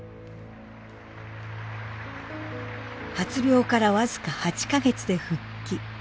発病から僅か８か月で復帰。